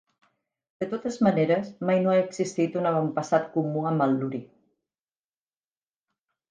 De totes maneres, mai no ha existit un avantpassat comú amb el Luri.